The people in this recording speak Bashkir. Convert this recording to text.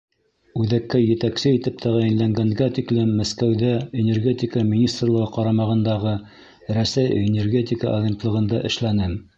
— Үҙәккә етәксе итеп тәғәйенләнгәнгә тиклем Мәскәүҙә, Энергетика министрлығы ҡарамағындағы Рәсәй энергетика агентлығында эшләнем.